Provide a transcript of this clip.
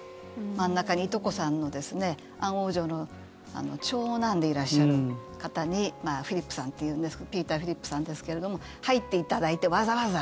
真ん中に、いとこさんのアン王女の長男でいらっしゃる方フィリップスさんというピーター・フィリップスさんですけれども入っていただいて、わざわざ。